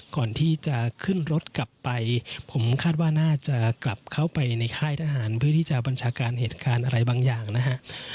ก่อนที่จะขึ้นรถกลับไปผมคาดว่าน่าจะกลับเข้าไปในค่ายทหารเพื่อที่จะบัญชาการเหตุการณ์อะไรบางอย่างนะฮะ